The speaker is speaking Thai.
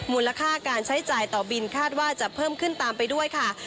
มูลค่าการใช้จ่ายต่อบินคาดว่าจะเพิ่มขึ้นตามไปด้วยค่ะ